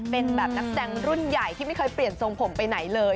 เป็นแบบนักแสดงรุ่นใหญ่ที่ไม่เคยเปลี่ยนทรงผมไปไหนเลย